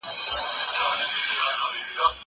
که وخت وي، موبایل کاروم؟